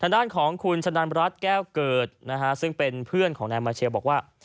ด้านของคุณชะนันรัฐแก้วเกิดนะฮะซึ่งเป็นเพื่อนของนายมาเชลบอกว่า